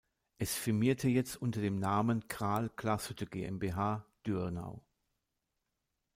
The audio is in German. Es firmierte jetzt unter dem Namen Gral-Glashütte GmbH, Dürnau.